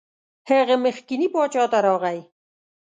هغه مخکني باچا ته راغی.